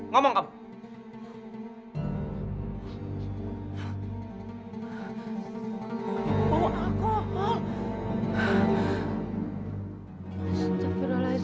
kamu pasti baru pulang dari bar atau diskotik